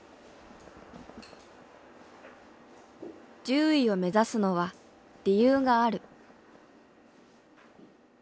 獣医を目指すのは理由がある。